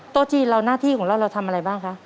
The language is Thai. โต๊ะจีนเราหน้าที่ของเราเราทำอะไรบ้างคะ